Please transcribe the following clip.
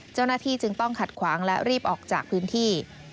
เจ้าหน้าที่จึงต้องขัดขวางและรีบออกจากพื้นที่